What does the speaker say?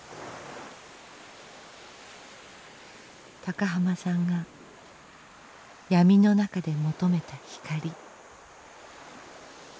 高浜さんが闇の中で求めた光。